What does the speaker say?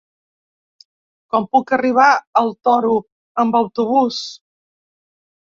Com puc arribar al Toro amb autobús?